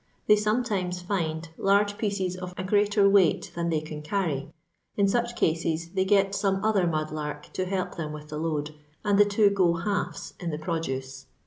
They sometimes "find" large pieces of a greater weight than they can carry ; in such cases they get some other mud lark to help them with the load, and the two "go halves" in the produce.